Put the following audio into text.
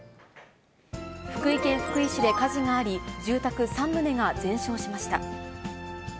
福井県福井市で火事があり、住宅３棟が全焼しました。